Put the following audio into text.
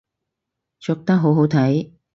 着得好好睇